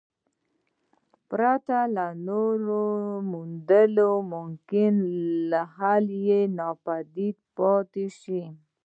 پرته له نویو موندنو ممکن حل یې ناپایده پاتې شي.